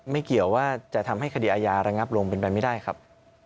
ไม่เกี่ยวว่าจะทำให้คดีอาญาระงับลงเป็นไปไม่ได้ครับ